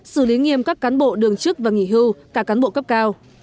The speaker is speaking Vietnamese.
xử lý nghiêm các cán bộ đường chức và nghỉ hưu cả cán bộ cấp cao